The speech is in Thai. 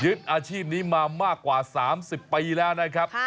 อาชีพนี้มามากกว่า๓๐ปีแล้วนะครับ